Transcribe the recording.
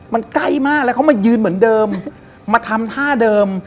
มันใกล้มากแล้วเขามายืนเหมือนเดิมมาทำท่าเดิม